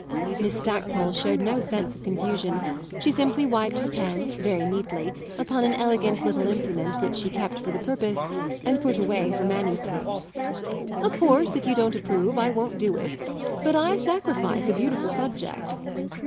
Miss Stackpole showed no sense of confusion; she simply wiped her pen, very neatly, upon an elegant little implement which she kept for the purpose, and put away her manuscript. "Of course if you don't approve I won't do it; but I sacrifice a beautiful subject."